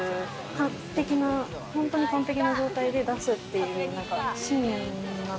完璧な、本当に完璧な状態で出すという信念を。